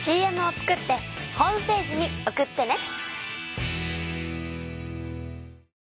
ＣＭを作ってホームページに送ってね！